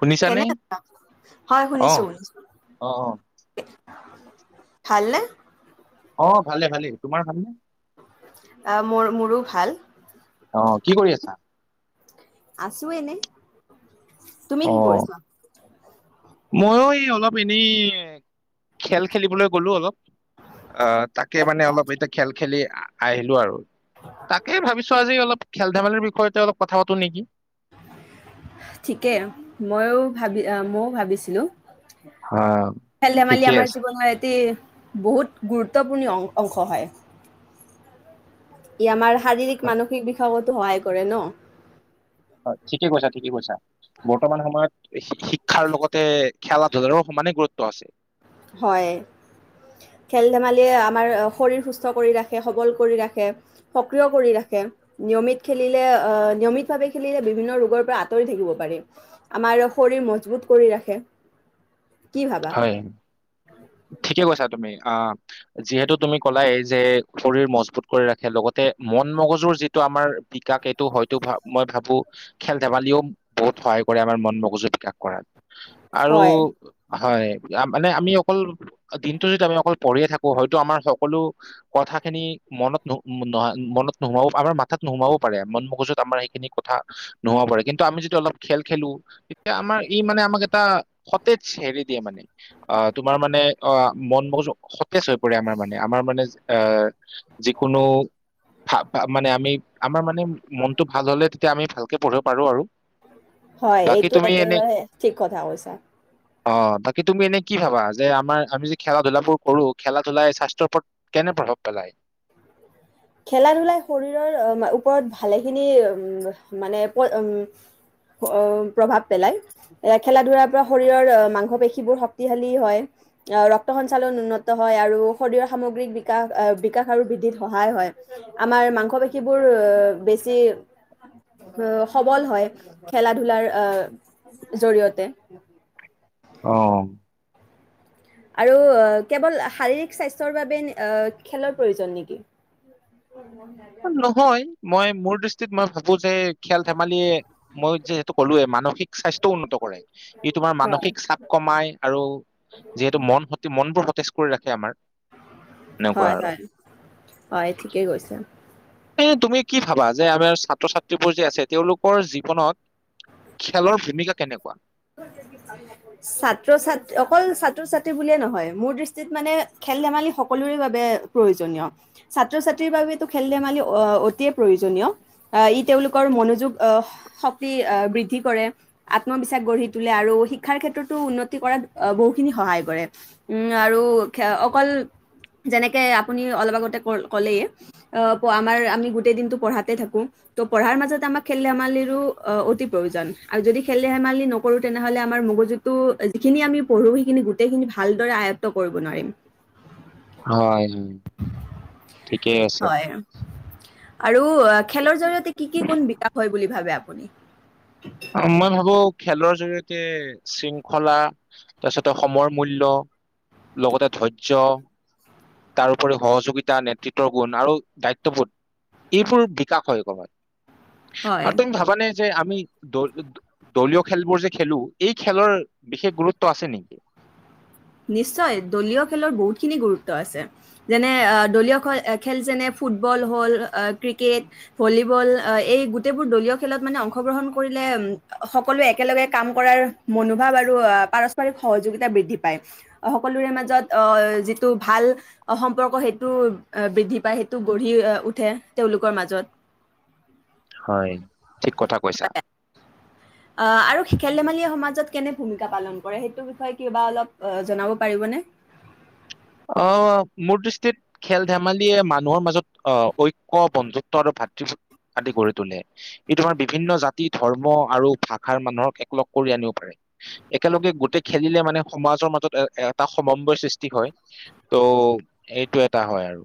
শুনিছানে? কেনে আছা হয় অ'। শুনিছো শুনিছো অ', অ'। ভাল নে অ ভালে ভালে তোমাৰ ভাল নে অ মোৰ মোৰো ভাল অ কি কৰি আছা আছো এনে তুমি কি কৰিছা মইয়ো এই অলপ এনেই খেল খেলিবলৈ গ'লো অলপ অ তাকে মানে আচ্ছা, অলপ এতিয়া খেল খেলি আহিলো আৰু তাকে ভাবিছ ছো আজি অলপ খেল ধেমালিৰ বিষয়তে অলপ কথা পাতো নেকি ঠিকে, মইও ভাবি আহ ময়ো ভাবিছিলোঁ হা, খেল-ধেমালি ঠিকে আমাৰ আছে। জীৱনৰ এটি বহুত গুৰুত্বপূৰ্ণিয় অং অংশ হয়। ই আমাৰ শাৰীৰিক, মানসিক বিষাগতো সহায় কৰে ন। অ' ঠিকে কৈছা, ঠিকে কৈছা। বৰ্তমান সময়ত শি শিক্ষাৰ লগতে খেলা-ধূলাৰো সমানে গুৰুত্ব আছে। হয়। খেল-ধেমালিয়ে আমাৰ শৰীৰ সুস্থ কৰি ৰাসে, সবল কৰি ৰাসে। সক্ৰিয় কৰি ৰাসে। নিয়মিত খেলিলে অ' নিয়মিতভাৱে খেলিলে বিভিন্ন ৰোগৰ পৰা আঁতৰি থাকিব পাৰি। আমাৰ শৰীৰৰ মজবুত কৰি ৰাসে, কি ভাবা? হয়। ঠিকে কৈছা তুমি আ যিহেতু তুমি কলাই যে শৰীৰ মজবুত কৰি ৰাখে লগতে মন-মগজুৰ যি টো আমাৰ বিকাশ এইটো হয়তো মই ভাৱো খেল-ধেমালিয়েও বহুত সহায় কৰে আমাৰ মন-মগজু বিকাশ কৰাত। আৰু হয়, হয়, য়া মানে আমি অক কল দিনটো যদি আমি অকল পঢ়িয়ে থাকোঁ হয়তো আমাৰ সকলো কথা খিনি মনত ন নহয় মনত নোহোমাব আমাৰ মাথাত নোহোমাবও পাৰে, মন-মগজুত আমাৰ সেইখিনি কথা নোহোমাব পাৰে কিন্তু আমি যদি অলপ খেল খেলোঁ এতিয়া আমাৰ ই মানে আমাক এটা সতেজ হেৰি দিয়ে মানে, আহ তোমাৰ মানে অ মন মগজু শত তেজ হৈ পৰে আমাৰ মানে, আমাৰ মানে আহ যিকোনো ভা ভা মানে আমি আমাৰ মানে মনটো ভাল হ'লে তেতিয়া আমি ভালকে পঢ়িব পাৰোঁ আৰু হয়, বাকী এইটো তুমি এনে একেবাৰে ঠিক কথা কৈছা। অ' বাকী তুমি এনে কি ভাবা? যে আমাৰ আমি যে খেলা-ধূলাবোৰ কৰোঁ, খেলা- ধূলাই স্বাস্থ্যৰ ওপৰত কেনে প্ৰভাৱ পেলায়? খেলা-ধূলাই শৰীৰৰ ওপৰত ভালেখিনি উম মানে পয় উম প্ৰভাৱ পেলাই। এ খেলা-ধূলাৰ পৰা শৰীৰৰ অ মাংস-পেশীবোৰ শক্তিশালী হয়। আহ ৰক্ত সঞ্চালন উন্নত হয় আৰু শৰীৰৰ সামগ্ৰিক বিকাশ আহ বিকাশ আৰু বৃদ্ধিত সহায় হয়। আমাৰ মাংস-পেশীবোৰ বেছি অ' সবল হয় খেলা-ধূলাৰ আহ জৰিয়তে! অ' আৰু কেৱল শাৰীৰিক স্বাস্থ্যৰ বাবে নে খেলৰ প্ৰয়োজন নেকি? অ' মন যায়। নহয়! মই মোৰ দৃষ্টিত মই ভাবোঁ যে খেল-ধেমালিয়ে মই যে টো ক'লোঁৱে মানসিক স্বাস্থ্যও উন্নত কৰে, ই তোমাৰ হয়। মানসিক চাপ কমাই আৰু যিহেতু মন সতি মনবোৰ সতেজ কৰি ৰাখে আমাৰ। এনেকুৱা হয় আৰু হয়, হয় ঠিকেই কৈছা। এ তুমি কি ভাবা যে আমাৰ ছাত্ৰ-ছাত্ৰীবোৰ যে আছে তেওঁলোকৰ জীৱনত খেলৰ ভূমিকা কেনেকুৱা? ক [unintelligible] ছাত্ৰ-ছাত অকল ছাত্ৰ-ছাত্ৰী বুলিয়ে নহয় মোৰ দৃষ্টিত মানে খেল-ধেমালি সকলোৰে বাবে প্ৰয়োজনীয়। ছাত্ৰ ছাত্ৰীৰ বাবেতো খেল-ধেমালি অ অতিয়ে প্ৰয়োজনীয়। আহ ই তেওঁলোকৰ মনোযোগ আহ শক্তি আ বৃদ্ধি কৰে। আত্মবিশ্বাস গঢ়ি তোলে আৰু শিক্ষাৰ ক্ষেত্ৰতো উন্নতি কৰাত আ বহুখিনি সহায় কৰে। উম আৰু খে অকল যেনেকে আপুনি অলপ আগতে ক ক'লেই। অ' প আমাৰ আমি গোটেই দিনটো পঢ়াতে থাকোঁ। ত' পঢ়াৰ মাজতে আমাক খেল-ধেমালিৰো অ অতি প প্ৰয়োজন আৰু যদি খেল-ধেমালি নকৰোঁ তেনেহ'লে আমাৰ মগজুতো যিখিনি আমি পঢ়োঁ সেইখিনি গোট গোটেইখিনি ভালদৰে আয়ত্ব কৰিব নোৱাৰিম হয় হয় ঠিকেই আছে হয় আৰু খেলৰ জৰিয়তে কি কি গুণ বিকাশ হয় বুলি ভাবে আপুনি উ [inaudible] মই ভাবো খেলৰ জৰিয়তে শৃংখলা তাৰপিছতে সময় মূল্য লগতে ধৈৰ্য তাৰউপৰি সহযোগিতা নেতৃত্বৰ গুণ আৰু দায়িত্ববোধ এইবোৰ বিকাশ হয় গ হয় হয় আৰু তুমি ভাবানে যে আমি দ দলীয় খেলবোৰ যে খেলো এই খেলৰ বিশেষ গুৰুত্ব আছে নেকি। নিশ্চয় দলীয় খেলৰ বহুতখিনি গুৰুত্ব আছে যেনে দলীয় খেল যেনে ফুটবল হ'ল ক্ৰিকেট ভলীবল এই গোটেইবোৰ দলীয় খেলত মানে অংশগ্ৰহণ কৰিলে সকলোৱে একেলগে কাম কৰাৰ মনোভাৱ আৰু আহ পাৰস্পৰিক সহযোগিতা বৃদ্ধি প পাই সকলোৰে মাজত আহ যিটো ভাল সম্পৰ্ক সেইটো বৃদ্ধি পাই সেইটো গঢ়ি উঠে তেওঁলোকৰ মাজত হয় ঠিক কথা কৈছা আৰু খেল ধেমালি সমাজত কেনে ভূমিকা পালন কৰে সেইটোৰ বিষয়ে কিবা অলপ জনাব পাৰিবনে অ মোৰ ডিষ্ট্ৰিত খেল ধেমালিয়ে মানুহৰ মাজত আহ ঐক্য বন্ধুত্ব আৰু ভাতৃভ আদি গঢ়ি তোলে ই তোমাৰ বিভিন্ন জাতি ধৰ্ম আৰু ভাষাৰ মানুহক একলগ কৰি আনিব পাৰে। একেলগে গোটেই খেলিলে মানে সমাজৰ মাজত এ এটা সমম্বয়ৰ সৃষ্টি হয়। ত' এইটো এটা হয় আৰু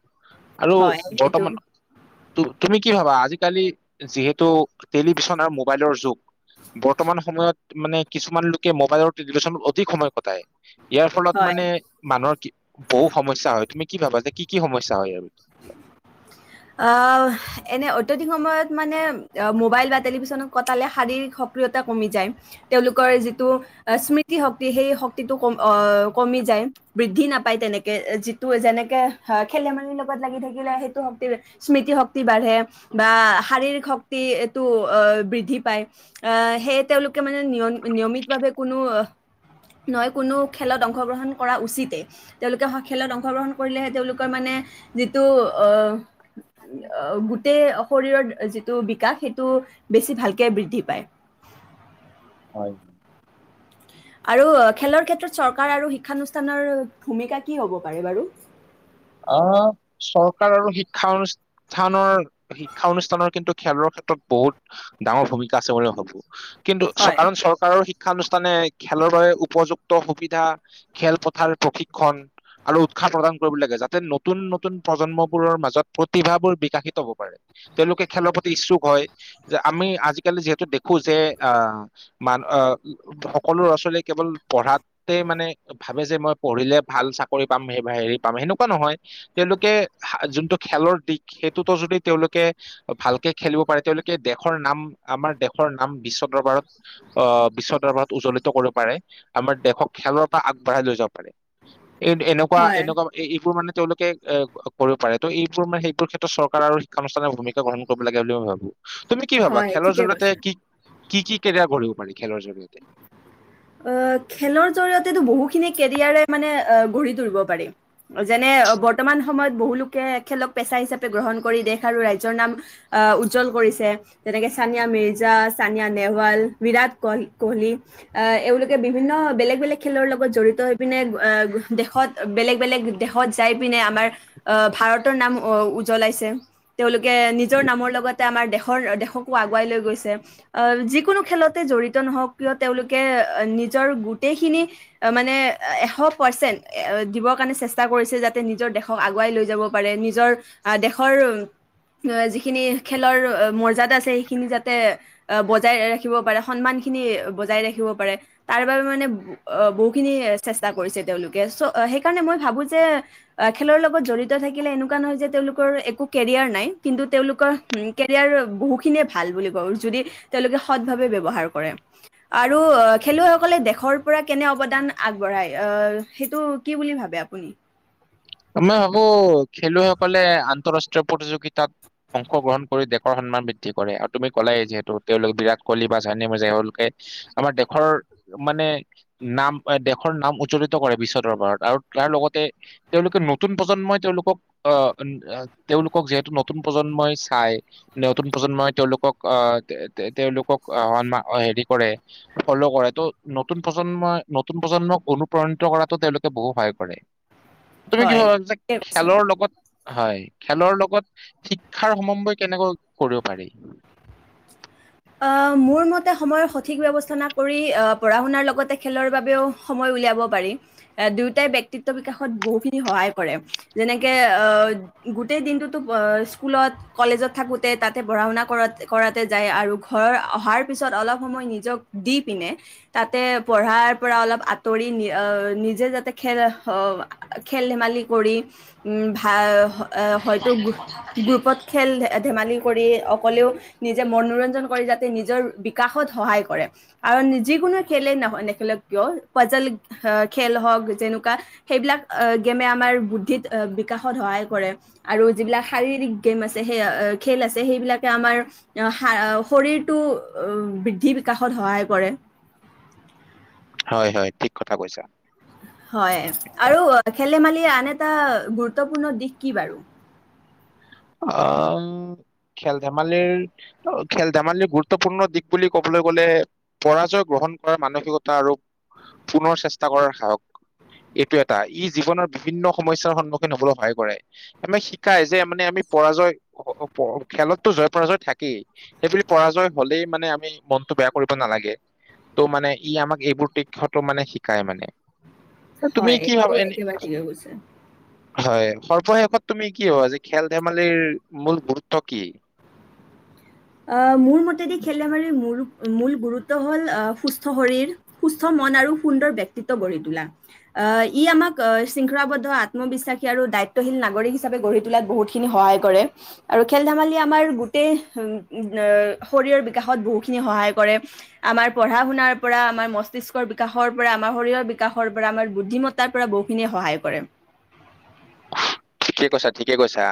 আৰু হয় এইটো বৰ্তমান ত তুমি কি ভাবা আজিকালি যিহেতু টেলিভিশন আৰু মোবাইলৰ যুগ বৰ্তমান সময়ত মানে কিছুমান লোকে মোবাইলৰ টেলভেশ্যনত অধিক সময় কটায় ইয়াৰ ফলত হয় মানে মানুহৰ কি বহু সমস্যা হয় তুমি কি ভাবা যে কি কি সমস্যা হয় আৰু [inaudible] অ', এনে অত্যাধিক সময়ত মানে মোবাইল বা টেলিভিশ্যনত কটালে, শাৰীৰিক সক্ৰিয়তা কমি যায়। তেওঁলোকৰ যিটো স্মৃতি শক্তি, সেই শক্তিটো কম অ' কমি যায়। বৃদ্ধি নাপাই তেনেকে, যিটো যেনেকে খেল ধেমালিৰ লগত লাগি থাকিলে। সেইটো শক্তি স্মৃতি শক্তি বাঢ়ে বা শাৰীৰিক শক্তিটো অ' বৃদ্ধি পায়। অ', সেয়ে তেওঁলোকে মানে নিয়ম, নিয়মিতভাৱে কোনো নহয়, কোনো খেলত অংশগ্ৰহণ কৰা উচিতেই। তেওঁলোকে খেলত অংশগ্ৰহণ কৰিলেহে, তেওঁলোকৰ মানে যিটো অ'। গোটেই শৰীৰৰ যিটো বিকাশ, সেইটো বেছি ভালকে বৃদ্ধি পায়। হয়। আৰু খেলৰ ক্ষেত্ৰত চৰকাৰ আৰু শিক্ষানুষ্ঠানৰ ভূমিকা কি হ'ব পাৰে বাৰু। অ', চৰকাৰ আৰু শিক্ষা অনুষ্ঠান স্থানৰ, শিক্ষা অনুষ্ঠানৰ কিন্তু খেলৰ ক্ষেত্ৰত বহুত ডাঙৰ ভূমিকা আছে বুলি ভাবোঁ। কিন্তু হয় কাৰণ চৰ চৰকাৰৰ শিক্ষানুষ্ঠানে খেলৰ বাবে উপযুক্ত সুবিধা, খেলপথাৰ প্ৰশিক্ষণ। আৰু উৎসাহ প্ৰদান কৰিব লাগে। যে নতুন নতুন প্ৰজন্মবোৰৰ মাজত প্ৰতিভাবোৰ বিকাশিত হ'ব পাৰে। তেওঁলোকে খেলৰ প্ৰতি ইচ্ছুক হয়, যে আমি আজিকালি যিহেতু দেখো যে, আহ্। মান অ', সকলো ল'ৰা-ছোৱালীয়ে কেৱল পঢ়াতে মানে ভাবে যে মই পঢ়িলে ভাল চাকৰি পাম, হেৰি পাম হেনোঁ নহয়, তেওঁলোকে যোনটো খেলৰ দিশ। সেইটোতো যদি তেওঁলোকে ভালকে খেলিব পাৰে, তেওঁলোকে দেশৰ নাম। আমাৰ দেশৰ নাম বিশ্ব দৰবাৰত অ', বিশ্ব দৰবাৰত উজ্বলিত কৰিব পাৰে। আমাৰ দেশক খেলৰ পৰা আগবঢ়াই লৈ যাব পাৰে, এই এনেকুৱা হয় এনেকুৱা। বোৰ মানে তেওঁলোকে এ কৰিব পাৰে, ত' এইবোৰ মানে সেইবোৰ ক্ষেত্ৰত চৰকাৰ আৰু শিক্ষানুষ্ঠানে ভূমিকা গ্ৰহণ কৰিব লাগে বুলি মই ভাবোঁ। তুমি কি ভাবা, হয় খেলৰ ঠিকে জৰিয়তে কৈছে কি কি কেৰিয়াৰ গঢ়িব পাৰি, খেলৰ জৰিয়তে। অ', খেলৰ জৰিয়তেতো বহুখিনি কেৰিয়াৰে মানে গঢ়ি তুলিব পাৰি। যেনে বৰ্তমান সময়ত বহুলোকে খেলক পেচা হিচাপে গ্ৰহণ কৰি দেশ আৰু ৰাজ্যৰ নাম অ', উজ্জ্বল কৰিছে। যেনেকে চানিয়া মিৰ্জা, চানিয়া নেহৱাল, বিৰাট কহ কোহলি। অ', এওঁলোকে বিভিন্ন বেলেগ বেলেগ খেলৰ লগত জড়িত হৈ পিনে অ', দেশত বেলেগ বেলেগ দেশত যাই পিনে, আমাৰ অ', ভাৰতৰ নাম উজ্বলাইছে। তেওঁলোকে নিজৰ নামৰ লগতে আমাৰ দেশৰ দেশকো আগুৱাই লৈ গৈছে। অ', যিকোনো খেলতে জড়িত নহওঁক কিয়, তেওঁলোকে নিজৰ গোটেইখিনি মানে এশ পাৰ্চেন্ট, এ দিবৰ কাৰণে চেষ্টা কৰিছে যাতে নিজৰ দে দেশৰক আগুৱাই লৈ যাব পাৰে, নিজৰ অ', দেশৰ যিখিনি খেলৰ মৰ্যাত আছে, সেইখিনি যাতে বজাই ৰাখিব পাৰে, সন্মান খিনি বজাই ৰাখি ৰাখিব পাৰে, তাৰ বাবে মানে অ', বহুখিনি চেষ্টা কৰিছে তেওঁলোকে, চ' সেইকাৰণে মই ভাবোঁ যে খেলৰ লগত জড়িত থাকিলে এনেকুৱা নহয় যে, তেওঁলোকৰ একো কেৰিয়াৰ নাই, কিন্তু তেওঁলোকৰ কেৰিয়াৰ বহুখিনিয়ে ভাল বুলি কওঁ, যদি তেওঁলোকে সদভাৱে ব্যৱহাৰ কৰে। আৰু খেলুৱৈসকলে দেশৰ পৰা কেনে অৱদান আগবঢ়ায়, সেইটো কি বুলি ভাবে আপুনি? মই ভাবোঁ, খেলুৱৈসকলে আন্তৰাষ্ট্ৰীয় প্ৰতিযোগিতাত অংশগ্ৰহণ কৰি দেশৰ সন্মান বৃদ্ধি কৰে। আৰু তুমি ক'লাই যিহেতু তেওঁলোক বিৰাট কোহলি বা চানিয়া মিৰ্জা এওঁলোকে আমাৰ দেশৰ মানে নাম, দেশৰ নাম উজ্বলিত কৰে বিশ্ব দৰবাৰত আৰু তাৰ লগতে তেওঁলোকে নতুন প্ৰজন্মই তেওঁলোকক অ! তেওঁলোকক যিহেতু নতুন প্ৰজন্মই চাই। নতুন প্ৰজন্মই তেওঁলোকক অ! তেওঁলোকক সন্মা অ হেৰি কৰে। ফল' কৰে। ত' নতুন প্ৰজন্মই নতুন প্ৰজন্মক অনুপ্ৰাণিত কৰাতো তেওঁলোকে বহুত সহায় কৰে। তুমি হয় কিহৰ লগত যে ঠিকে কৈছে খেলৰ লগত হয়। খেলৰ লগত শিক্ষাৰ সমন্বয় কেনেকৈ কৰিব পাৰি? অ! মোৰ মতে সময়ৰ সঠিক ব্যৱস্থা না কৰি আহ পঢ়া-শুনাৰ লগতে খেলৰ বাবেও সময় উলিয়াব পাৰি। এ দুয়োটাই ব্যক্তিত্ব বিকাশত বহুখিনি সহায় কৰে। যেনেকে আহ গোটেই দিনটোতো স্কুলত কলেজত থাকোঁতে তাতে পঢ়া-শুনা কৰাত কৰাতে যায় আৰু ঘৰৰ অহাৰ পিছত অলপ সময় নিজক দি পিনে তাতে পঢ়াৰ পৰা অলপ আঁতৰি অ নিজে যাতে খেল অ খেল-ধেমালি কৰি উম! ভা [unintelligible] হয়তো গ্ৰুপত খেল-ধেমালি কৰি অকলেও নিজে মনোৰঞ্জন কৰি যাতে নিজৰ বিকাশত সহায় কৰে। আৰু যিকোনো খেলেই নহয় নেখেলক কিয় পাজল আহ খেল হওক যেনেকুৱা। সেইবিলাক আহ গেমে আমাৰ বুদ্ধিত, বিকাশত সহায় কৰে। আৰু যিবিলাক শাৰীৰিক গেম আছে সেই খেল আছে সেইবিলাকে আমাৰ [unintelligible] সা শৰীৰটো বৃদ্ধি, বিকাশত সহায় কৰে। হয়-হয়, ঠিক কথা কৈছা। হয়। আৰু খেলি-ধেমালিৰ আন এটা গুৰুত্বপূৰ্ণ দিশ কি বাৰু? আহ! খেল-ধেমালিৰ অ খেল-ধেমালিৰ গুৰুত্বপূৰ্ণ দিশ বুলি ক'বলৈ গ'লে পৰাজয় গ্ৰহণ কৰা মানসিকতা আৰু পুনৰ চেষ্টা কৰাৰ সাহস। এইটো এটা ই জীৱনৰ বিভিন্ন সমস্যাৰ সন্মুখীন হ'বলৈ সহায় কৰে। আমি শিকাই যে মানে আমি পৰাজয় [unintelligible] খেলততো জয় পৰাজয় থাকেই। সেইবুলি পৰাজয় হ'লেই মানে আমি মনতটো বেয়া কৰিব নালাগে। ত' মানে ই আমাক এইবোৰ তৃক্ষতো মানে শিকাই মানে। আৰু তুমি হয়, কি এইটো ভাবা এনেই একেবাৰে কোৱা চোন? ঠিকে কৈছে। হয়। সৰ্বশেষত তুমি কি ভবা যে খেল-ধেমালিৰ মূল গুৰুত্ব কি? আহ মোৰ মতে দি খেল-ধেমালি মোৰ মূল গুৰুত্ব হ'ল সুস্থ শৰীৰ। সুস্থ মন আৰু সুন্দৰ ব্যক্তিত্ব গঢ়ি তোলা। অ! ই আমাক অ শৃংখলাবদ্ধ, আত্মবিশ্বাসী আৰু দায়িত্বশীল নাগৰিক হিচাপে গঢ়ি তোলাত বহুত খিনি সহায় কৰে। আৰু খেল-ধেমালিয়ে আমাৰ গোটেই আহ শৰীৰৰ বিকাশত বহুখিনি সহায় কৰে। আমাৰ পঢ়া-শুনাৰ পৰা, আমাৰ মস্তিষ্কৰ বিকাশৰ পৰা, আমাৰ শৰীৰৰ বিকাশৰ পৰা, আমাৰ বুদ্ধিমত তাৰ পৰা বহুখিনিয়ে সহায় কৰে। ঠিকে কৈছা, ঠিকেই কৈছা।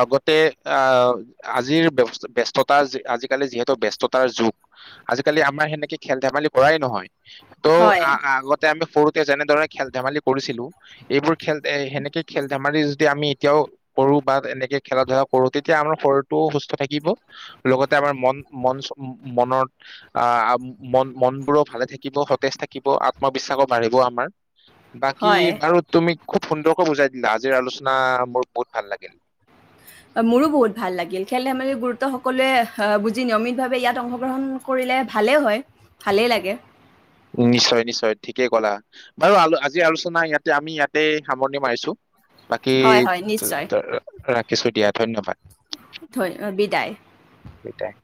আগতে আহ আজিৰ ব্য-ব্যস্ততাৰ আজিকালি যিহেতু ব্যস্ততাৰ যুগ। আজিকালি আমাৰ সেনেকে খেল-ধেমালি কৰাই নহয়। ত' হয়, আগতে আ-আ আমি সৰুতে যেনেদৰে খেল-ধেমালি কৰিছিলোঁ। এইবোৰ খেল সেনেকে খেল-ধেমালিৰ দি আমি এতিয়াও কৰো বা এনেকে খেলা-ধূলা কৰো, তেতিয়া আমাৰ শৰীৰটোও সুস্থ থাকিব। লগতে আমাৰ মন মন মনৰ আহ' মন মনবোৰো ভালে থাকিব। সতেজ থাকিব আত্মবিশ্বাসো বাঢ়িব আমাৰ। বাকী হয়। বাৰু তুমি খুব সুন্দৰকৈ বুজাই দিলা। আজিৰ আলোচনা মোৰ বহুত ভাল লাগিল। মোৰো বহুত ভাল লাগিল। খেল ধেমালি গুৰুত্ব সকলোৱে আহ' বুজি নিয়মিত ভাৱে ইয়াত অংশগ্ৰহণ কৰিলে ভালেই হয়, ভালেই লাগে। নিশ্চয় নিশ্চয় ঠিকেই কলা। বাৰু আল আজি আলোচনা ইয়াতে আমি ইয়াতে সামৰণি মাৰিছো। বাকী হয় হয় নিশ্চয় ৰা ৰাখিছো দিয়া ধন্যবাদ। ধ বিদায়। বিদায়।